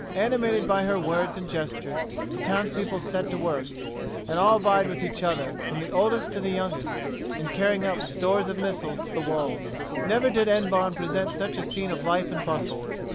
Animated by her words and gestures, the townspeople set to work, and all vied with each other, from the oldest to the youngest, in carrying up stores of missiles to the walls. Never did Hennebon present such a scene of life and bustle.